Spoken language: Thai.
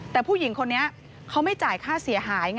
แต่ผู้หญิงคนนี้เขาไม่จ่ายค่าเสียหายไง